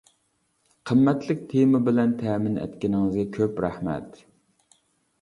قىممەتلىك تېما بىلەن تەمىن ئەتكىنىڭىزگە كۆپ رەھمەت.